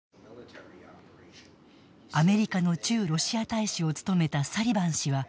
アメリカの駐ロシア大使を務めたサリバン氏は、こう分析する。